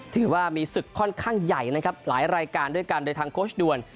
ถือว่ามีศึกค่อนข้างใหญ่นะครับหลายรายการด้วยกันโดยทางโค้ชด่วน